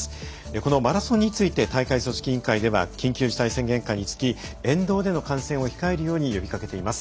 このマラソンについて大会組織委員会では緊急事態宣言下につき沿道での観戦を控えるように呼びかけています。